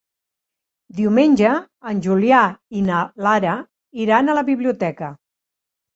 Diumenge en Julià i na Lara iran a la biblioteca.